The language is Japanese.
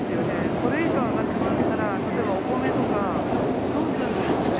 これ以上、上がったら、例えばお米とか、どうするんだろうって。